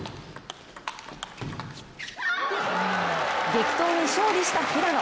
激闘に勝利した平野。